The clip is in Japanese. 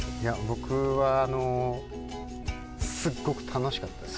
僕はすっごく楽しかったです。